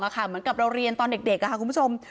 เหมือนกับเราเรียนตอนเด็กคุณผู้ชม